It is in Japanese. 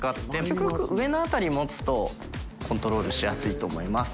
卜上のあたり持つとコントロールしやすいと思います。